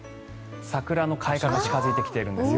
桜の開花が近付いてきているんです。